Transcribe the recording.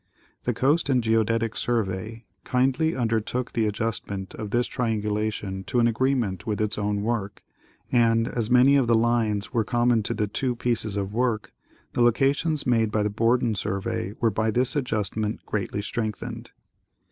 The Coast and Geodetic Survey kindly under took the adjustment of this triangulation to an agreement with its own work, and, as many of the lines were common to the two pieces of work, the locations made by the Borden Survey were by this adjustment greatly strengthened.